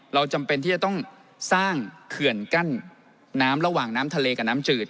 จำเป็นที่จะต้องสร้างเขื่อนกั้นน้ำระหว่างน้ำทะเลกับน้ำจืด